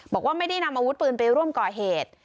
บอกว่าไม่ได้นำอาวุธปืนไปร่วมก่อเหตุ